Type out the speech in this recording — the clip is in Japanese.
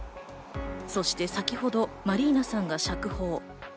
そして先ほどマリーナさんが釈放。